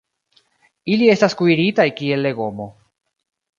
Ili estas kuiritaj kiel legomo.